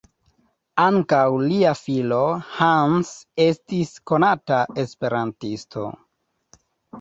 Ankaŭ lia filo Hans estis konata esperantisto.